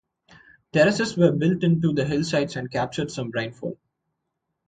Terraces were built into the hillsides and captured some rainfall.